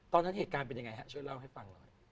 ตอนนั้นเหตุการณ์เป็นยังไงฮะช่วยเล่าให้ฟังหน่อย